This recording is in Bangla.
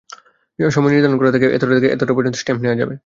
সময় নির্ধারণ করা থাকে, এতটা থেকে এতটা পর্যন্ত স্ট্যাম্প নেওয়া যাবে।